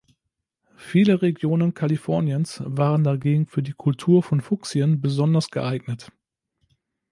Viele Regionen Kaliforniens waren dagegen für die Kultur von Fuchsien besonders geeignet.